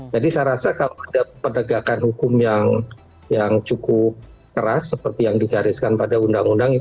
jadi saya rasa kalau ada penegakan hukum yang cukup keras seperti yang digariskan pada undang undang